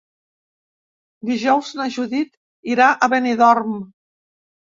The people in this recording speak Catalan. Dijous na Judit irà a Benidorm.